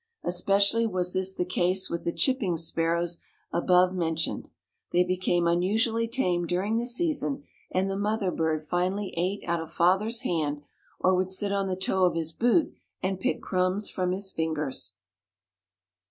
Especially was this the case with the chipping sparrows above mentioned. They became unusually tame during the season and the mother bird finally ate out of father's hand or would sit on the toe of his boot and pick crumbs from his fingers.